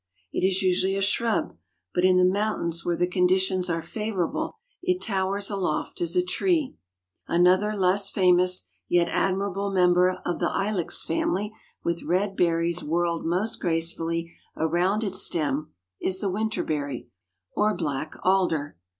It is usually a shrub, but in the mountains where the conditions are favorable it towers aloft as a tree. Another less famous, yet admirable member of the Ilex family with red berries whirled most gracefully around its stem, is the winterberry or black alder.